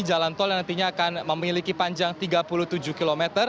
jalan tol yang nantinya akan memiliki panjang tiga puluh tujuh km